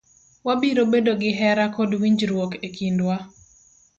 Wabiro bedo gi hera kod winjruok e kindwa.